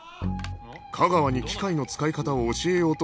架川に機械の使い方を教えようとした際